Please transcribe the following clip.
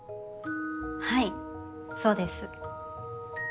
はいそうです。